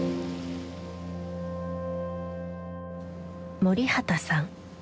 森畑さん